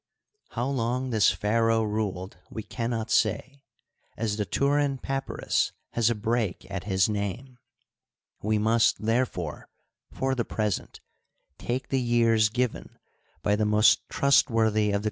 How long this pharaoh ruled we can not say, as the Turin Papyrus has a break at his name. We must, therefore, for the present take the years given by the most trustworthy of the.